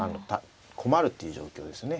困るっていう状況ですね。